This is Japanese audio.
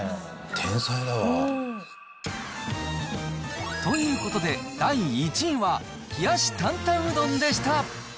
天才だわ。ということで、第１位は冷やし坦々うどんでした。